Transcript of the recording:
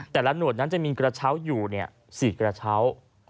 หนวดนั้นจะมีกระเช้าอยู่๔กระเช้า